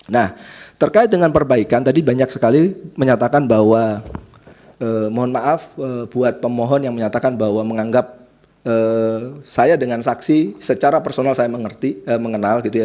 nah terkait dengan perbaikan tadi banyak sekali menyatakan bahwa mohon maaf buat pemohon yang menyatakan bahwa menganggap saya dengan saksi secara personal saya mengenal gitu ya